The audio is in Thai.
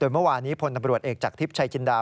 เมื่อวานี้พลตำรวจเอกจากทิพย์ชัยจินดา